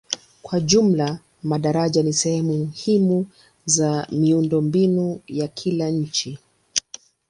Kwa jumla madaraja ni sehemu muhimu za miundombinu ya kila nchi.